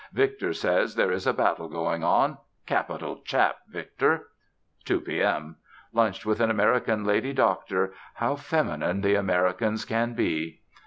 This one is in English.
Victor says there is a battle going on: capital chap Victor. 2 P. M. Lunched with an American lady doctor. How feminine the Americans can be.